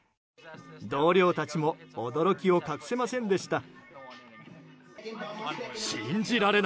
同僚たちも驚きを隠せませんでした。